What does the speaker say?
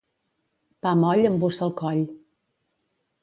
Pa moll embussa el coll.